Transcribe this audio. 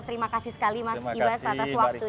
terima kasih sekali mas ibas atas waktunya